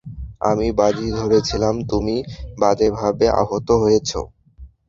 আমি বাজি ধরেছিলাম তুমি বাজেভাবে আহত হয়েছ।